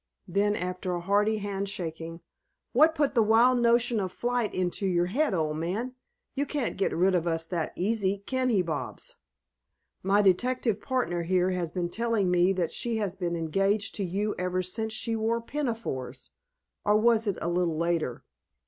Then after a hearty hand shaking: "What put that wild notion of flight into your head, old man? You can't get rid of us that easy, can he, Bobs? My detective partner here has been telling me that she has been engaged to you ever since she wore pinafores, or was it a little later?"